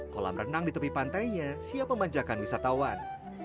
kolam renang di tepi pantainya siap memanjakan wisatawan